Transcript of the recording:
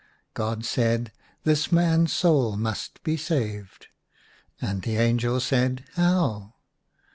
God said, " This man's soul must be saved." And the angel said " How